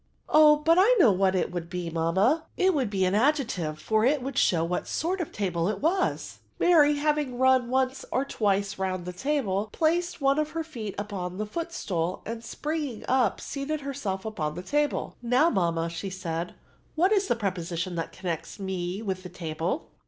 *''^ Oh, but I know what it ' would be> mamma, it would be an adjective; for it would show what sort of a table it was/' Mary, having run once or twice round the table, placed one of her feet upon the foot stool, and, springing up, seated herself upon tiie table. Now, mamma,*' said she, ^* what is the preposition that connects me with the table?"